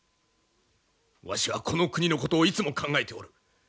わしはこの国のことをいつも考えておる。